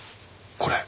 これ。